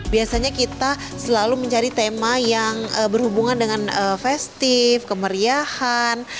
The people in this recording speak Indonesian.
biasanya kita selalu mencari tema yang berhubungan dengan festive kemeriahan